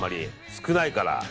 少ないから。